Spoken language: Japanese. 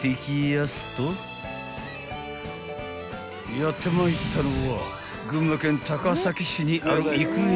［やってまいったのは］